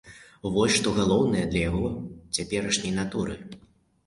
Вось што галоўнае для яго цяперашняй натуры.